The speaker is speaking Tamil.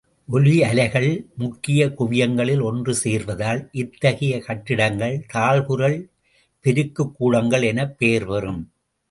ஒலி அலைகள் முக்கியக் குவியங்களில் ஒன்று சேர்வதால், இத்தகைய கட்டிடங்கள் தாழ்குரல் பெருக்குகூடங்கள் எனப் பெயர் பெறும்.